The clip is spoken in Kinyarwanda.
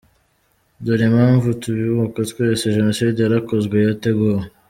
Dore impamvu tubibuka twese, jenoside yarakozwe yateguwe.